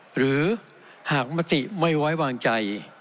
หรือหากมติไม่ไว้วางใจ